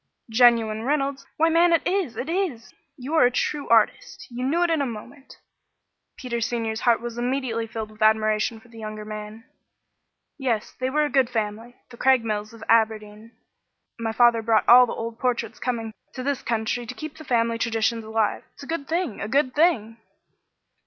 "Genuine Reynolds? Why, man, it is! it is! You are a true artist. You knew it in a moment." Peter Senior's heart was immediately filled with admiration for the younger man. "Yes, they were a good family the Craigmiles of Aberdeen. My father brought all the old portraits coming to him to this country to keep the family traditions alive. It's a good thing a good thing!"